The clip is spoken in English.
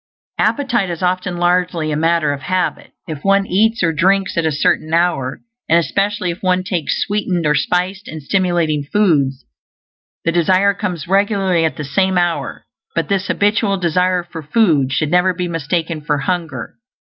Appetite is often largely a matter of habit; if one eats or drinks at a certain hour, and especially if one takes sweetened or spiced and stimulating foods, the desire comes regularly at the same hour; but this habitual desire for food should never be mistaken for hunger.